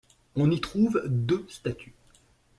On y trouve deux statues.